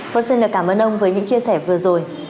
vâng xin cảm ơn ông với những chia sẻ vừa rồi